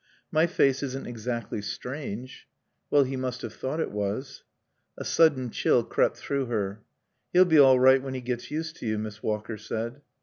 "My face isn't exactly strange." "Well, he must have thought it was." A sudden chill crept through her. "He'll be all right when he gets used to you," Miss Walker said.